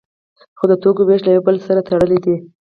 خو د توکو ویش له یو بل شی سره تړلی دی.